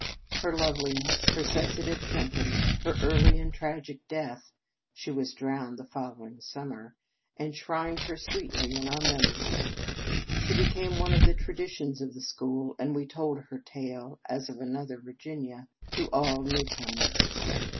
Her love liness, her sensitive temperament, her early and tragic death (she was drowned the following summer), en shrined her sweetly in our memories. She became one of the traditions of the school, and we told her tale as of another Virginia to all new comers.